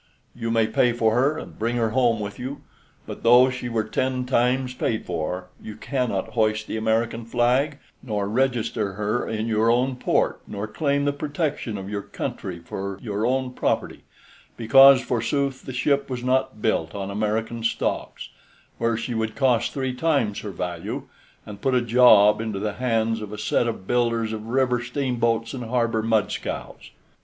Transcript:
You may pay for her and bring her home with you, but though she were ten times paid for, you cannot hoist the American flag, nor register her in your own port, nor claim the protection of your country for your own property because, forsooth, the ship was not built on American stocks, where she would cost three times her value, and put a job into the hands of a set of builders of river steamboats and harbor mudscows."